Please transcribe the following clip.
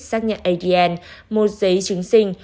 xác nhận adn một giấy chứng sinh